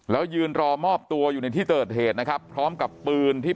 แล้วยืนรอมอบตัวอยู่ในที่เกิดเหตุนะครับพร้อมกับปืนที่